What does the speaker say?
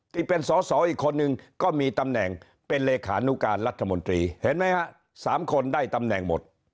ที่เป็นสอสออีกคนหนึ่ง